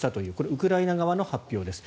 ウクライナ側の発表です。